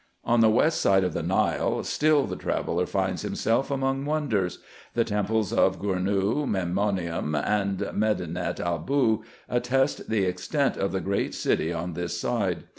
On the west side of the Nile, still the traveller finds himself among wonders. The temples of Gournou, Memnonium, and Medinet Aboo, attest the extent of the great city on this side.